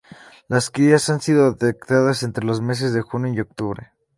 Las crías han sido detectadas entre los meses de junio y octubre.